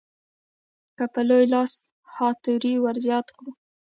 که په لوی لاس ها توری ورزیات کړو.